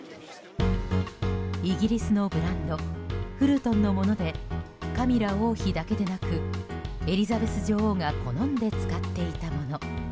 イギリスのブランドフルトンのものでカミラ王妃だけでなくエリザベス女王が好んで使っていたもの。